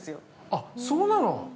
◆あっ、そうなの？